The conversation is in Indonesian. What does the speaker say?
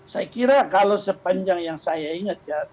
saya kira kalau sepanjang yang saya ingat ya